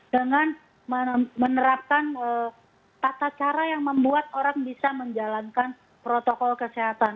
dengan menerapkan tata cara yang membuat orang bisa menjalankan protokol kesehatan